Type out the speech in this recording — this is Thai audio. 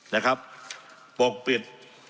นะครับปกปิด